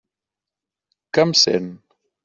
Que em sent?